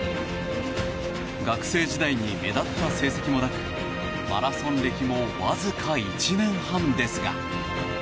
学生時代に目立った成績もなくマラソン歴もわずか１年半ですが。